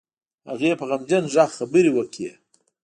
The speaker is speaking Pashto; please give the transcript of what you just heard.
هغې په غمجن غږ خبرې وکړې.